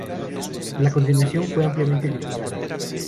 La continuación fue ampliamente criticada.